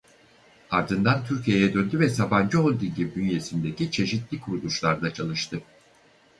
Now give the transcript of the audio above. Ardından Türkiye'ye döndü ve Sabancı Holding'in bünyesindeki çeşitli kuruluşlarda çalıştı.